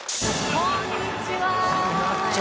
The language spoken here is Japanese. こんにちは。